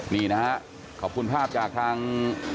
นี่นะฮะขอบคุณภาพจากทาง